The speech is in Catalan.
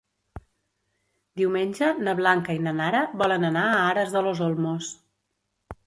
Diumenge na Blanca i na Nara volen anar a Aras de los Olmos.